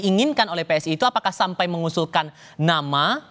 diinginkan oleh psi itu apakah sampai mengusulkan nama